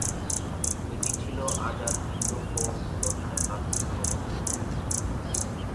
এটি ছিল আজাদ হিন্দ ফৌজ গঠনের প্রাথমিক পদক্ষেপ।